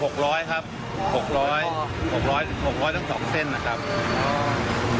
๖๐๐ครับ๖๐๐ทั้ง๒เส้นนะครับ